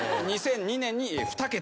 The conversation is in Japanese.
２００２年に二桁。